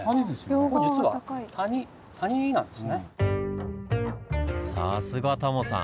ここ実はさすがタモさん！